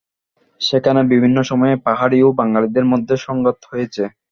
সেখানে বিভিন্ন সময়েই পাহাড়ি ও বাঙালিদের মধ্যে সংঘাত হয়েছে।